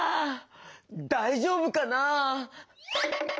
だいじょうぶかな？